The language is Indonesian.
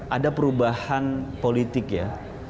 ada perubahan politik ya